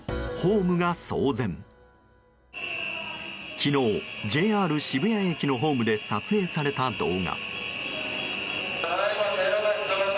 昨日、ＪＲ渋谷駅のホームで撮影された動画。